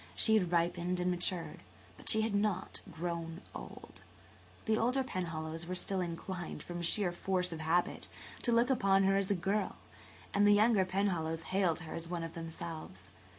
She had ripened and matured but she had not grown old. The older Penhallows were still inclined, from sheer force of habit, to look upon her as a girl, and the younger Penhallows hailed her as one of themselves.